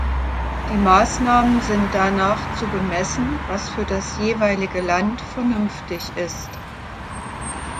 Die Maßnahmen sind danach zu bemessen, was für das jeweilige Land vernünftig ist.